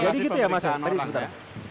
jadi gitu ya mas